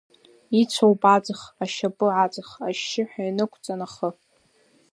Ицәоуп аҵых ашьапы аҵх, ашьшьыҳәа инықәҵан ахы.